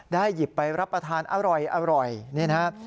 หยิบไปรับประทานอร่อยนี่นะครับ